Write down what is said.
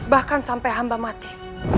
bahkan sampai hamba mati